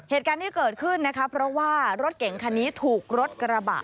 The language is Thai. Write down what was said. เหตุการณ์ที่เกิดขึ้นนะคะเพราะว่ารถเก่งคันนี้ถูกรถกระบะ